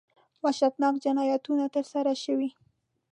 وحشتناک جنایتونه ترسره شوي.